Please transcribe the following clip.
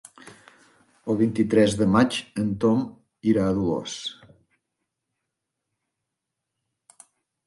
El vint-i-tres de maig en Tom irà a Dolors.